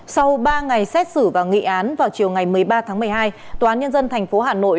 sau ba ngày xét xử và nghị án vào chiều ngày một mươi ba tháng một mươi hai tòa án nhân dân tp hà nội